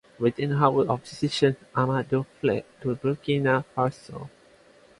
Within hours of the decision, Amadou fled to Burkina Faso.